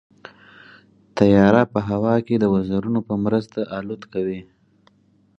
طیاره په هوا کې د وزرونو په مرسته الوت کوي.